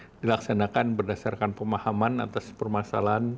aksi pk ini dilaksanakan berdasarkan pemahaman atas permasalahan